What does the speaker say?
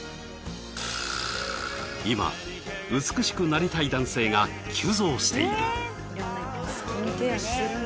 今美しくなりたい男性が急増している。